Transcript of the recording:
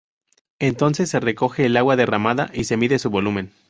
Entonces, se recoge el agua derramada y se mide su volumen.